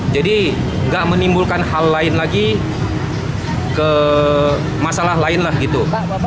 jadi nggak menimbulkan hal lain lagi ke masalah lain lah gitu